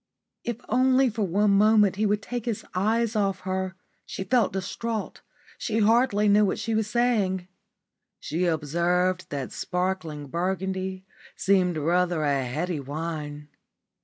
If only for one moment he would take his eyes off her. She felt distraught. She hardly knew what she was saying. She observed that sparkling Burgundy seemed rather a heady wine.